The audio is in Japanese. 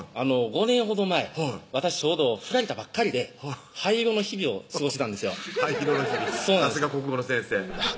５年ほど前私ちょうど振られたばっかりで灰色の日々を過ごしてたんですよ灰色の日々さすが国語の先生